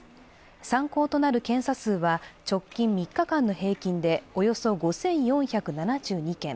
参考となる検査数は直近３日間の平均でおよそ５４７２件。